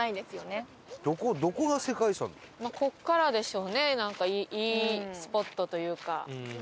ここからでしょうねなんかいいスポットというか。